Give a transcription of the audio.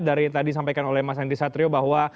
dari yang tadi disampaikan oleh mas andri satrio bahwa